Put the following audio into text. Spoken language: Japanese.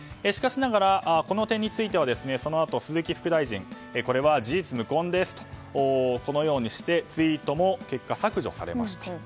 しかしながら、この点についてはそのあと、鈴木福大臣これは事実無根ですとしてツイートも結果、削除されました。